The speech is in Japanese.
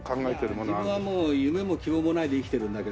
自分はもう夢も希望もないで生きてるんだけど。